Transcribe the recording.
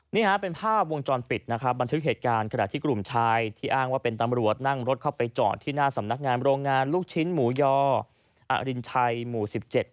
นี่ฮะเป็นภาพวงจรปิดนะครับบันทึกเหตุการณ์ขณะที่กลุ่มชายที่อ้างว่าเป็นตำรวจนั่งรถเข้าไปจอดที่หน้าสำนักงานโรงงานลูกชิ้นหมูยอรินชัยหมู่๑๗